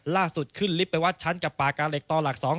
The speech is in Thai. ล่าสุดขึ้นลิฟต์ไปวัดชั้นกับปากกาเหล็กต่อหลัก๒